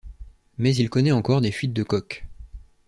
Mais il connait encore des fuites de coque.